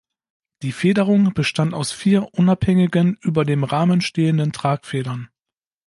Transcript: Die Federung bestand aus vier unabhängigen über dem Rahmen stehenden Tragfedern.